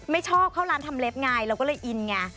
ไม่ชอบเข้าร้านทำเล็บไงเราก็เลยอินไง